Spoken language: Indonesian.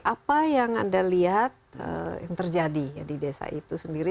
apa yang anda lihat yang terjadi di desa itu sendiri